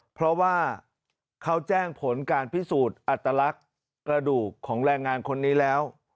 เพราะว่าเขาแจ้งผลการพิสูจน์อัตลักษณ์กระดูกของแรงงานคนนี้แล้ว